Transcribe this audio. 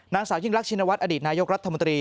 นางสาวยิ่งรักชินวัฒนอดีตนายกรัฐมนตรี